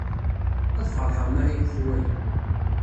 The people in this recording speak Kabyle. Ad feṛḥeɣ mi ara yekfu waya.